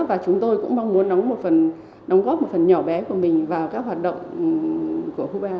và chúng tôi cũng mong muốn đóng góp một phần nhỏ bé của mình vào các hoạt động của hubar